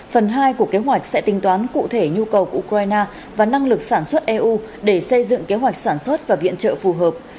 phần hai của kế hoạch sẽ tính toán cụ thể nhu cầu của ukraine và năng lực sản xuất eu để xây dựng kế hoạch sản xuất và viện trợ phù hợp